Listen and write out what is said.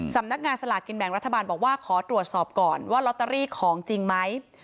สำนักงานสลากกินแบ่งรัฐบาลบอกว่าขอตรวจสอบก่อนว่าลอตเตอรี่ของจริงไหม